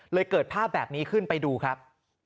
เกิดภาพแบบนี้ขึ้นไปดูครับ